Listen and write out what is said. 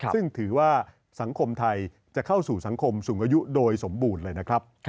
ซึ่งถือว่าสังคมไทยจะเข้าสู่สังคมสูงอายุโดยสมบูรณ์เลยนะครับ